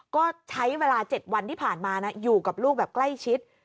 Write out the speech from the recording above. ก็ใช้เวลา๗วันที่ผ่านมานะอยู่กับลูกแบบใกล้ชิด